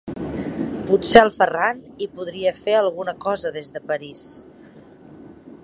Potser el Ferran hi podria fer alguna cosa des de París.